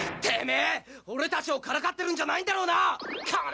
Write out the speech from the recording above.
てめえ俺達をからかってるんじゃないんだろうな！